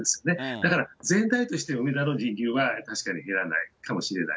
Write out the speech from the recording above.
だから全体として、梅田の人流は確かに減らないかもしれない。